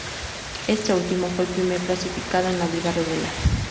Este último fue el primer clasificado en la liga regular.